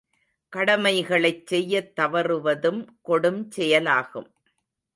கடமைகளைச் செய்யத் தவறுவதும் கொடுஞ்செயலாகும்.